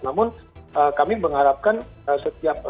namun kami mengharapkan setiap